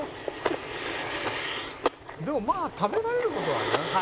「でもまあ食べられる事はね」